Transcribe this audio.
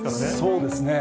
そうですね。